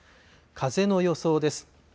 風の予想です。